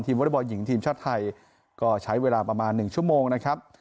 วอเล็กบอลหญิงทีมชาติไทยก็ใช้เวลาประมาณ๑ชั่วโมงนะครับ